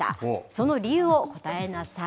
その理由を答えなさい。